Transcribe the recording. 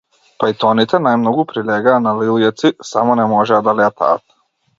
Пајтоните најмногу прилегаа на лилјаци, само не можеа да летаат.